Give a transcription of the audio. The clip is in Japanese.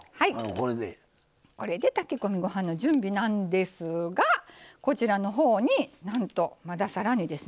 これで炊き込みご飯の準備なんですがこちらの方になんとまだ更にですね